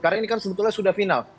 karena ini kan sebetulnya sudah final